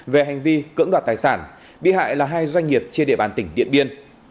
về hành vi cưỡng đoạt tài sản bị hại là hai doanh nghiệp trên địa bàn tỉnh điện biên